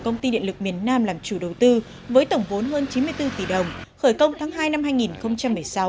công ty điện lực miền nam làm chủ đầu tư với tổng vốn hơn chín mươi bốn tỷ đồng khởi công tháng hai năm hai nghìn một mươi sáu